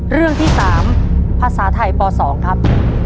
เรื่องที่๓ภาษาไทยป๒ครับ